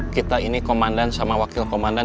kita ini komandan sama wakil komandan